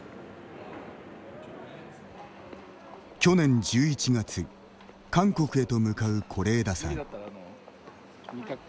去年１１月韓国へと向かう是枝さん。